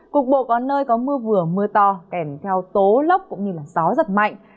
cục bộ có nơi có mưa vừa mưa to kèm theo tố lốc cũng như gió giật mạnh